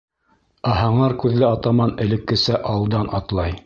Ә һыңар күҙле атаман элеккесә алдан атлай.